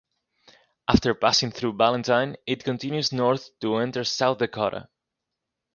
After passing through Valentine, it continues north to enter South Dakota.